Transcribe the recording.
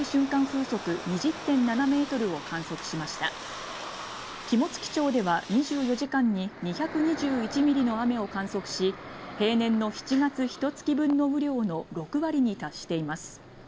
風速２０．７メートルを観測しました肝付町では２４時間に２２１ミリの雨を観測し平年の７月ひと月分の雨量の６割に達しています